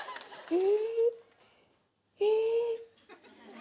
え？